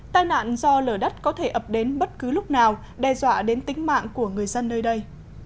tai nạn do lở đất có thể ập đến bất cứ lúc nào đe dọa đến tính mạng của người dân nơi đây